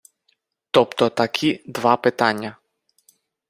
Тобто такі два питання.